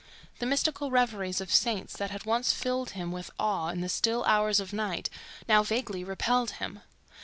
The mystical reveries of saints that had once filled him with awe in the still hours of night, now vaguely repelled him.